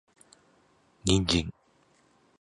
人参